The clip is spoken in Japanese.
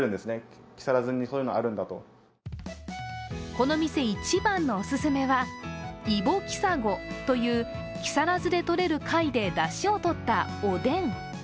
この店一番のおすすめはイボキサゴという木更津で取れる貝でだしをとったおでん。